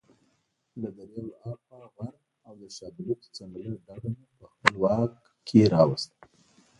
له درې ورهاخوا غر او د شابلوط ځنګله ډډه مو په خپل واک راوسته.